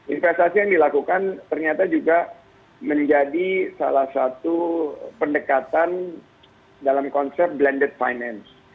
investasi yang dilakukan ternyata juga menjadi salah satu pendekatan dalam konsep blended finance